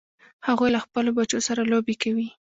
هغوی له خپلو بچو سره لوبې کوي